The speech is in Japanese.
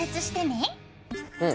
うん。